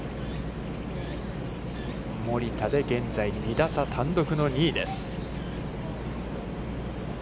森田で現在２打差、単独の２位です。